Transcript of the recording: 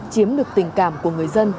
chiếm được tình cảm của người dân